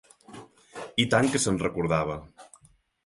I tant que se'n recordava!